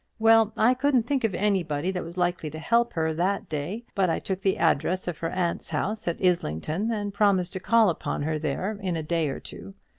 Well, I couldn't think of anybody that was likely to help her that day; but I took the address of her aunt's house at Islington, and promised to call upon her there in a day or two.